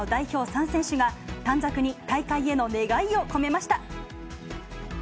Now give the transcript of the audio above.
３選手が、短冊に大会への願いを込めました。